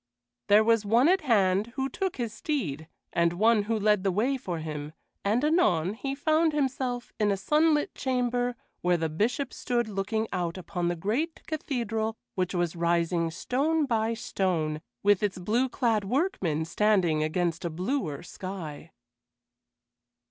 There was one at hand who took his steed, and one who led the way for him, and anon he found himself in a sunlit chamber where the Bishop stood looking out upon the great cathedral which was rising stone by stone, with its blue clad workmen standing against a bluer sky.